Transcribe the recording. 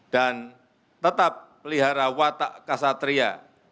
dan tetap pelihara watak kasatria